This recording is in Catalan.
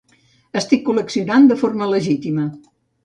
Estic col·leccionant de forma legítima.